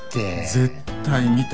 絶対見た。